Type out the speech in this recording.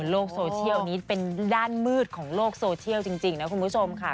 โลกโซเชียลนี้เป็นด้านมืดของโลกโซเชียลจริงนะคุณผู้ชมค่ะ